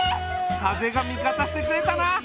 風が味方してくれたな。